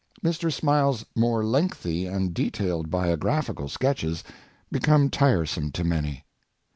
Mr. Smiles' more lengthy and detailed biographical sketches become tiresome to many.